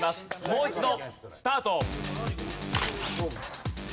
もう一度スタート！